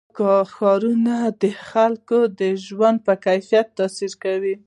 ښارونه د خلکو د ژوند په کیفیت تاثیر کوي.